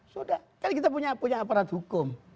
sudah kan kita punya aparat hukum